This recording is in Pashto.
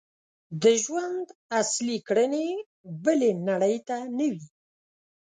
د ژوند اصلي کړنې بلې نړۍ ته نه وي.